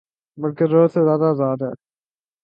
بلکہ ضرورت سے زیادہ آزاد ہے۔